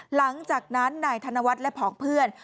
หลังจากนั้นนายธนวัฒน์และผองเพื่อน